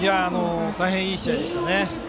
大変、いい試合でした。